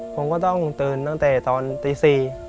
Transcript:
ผมก็ต้องตื่นตั้งแต่ตอนตี๔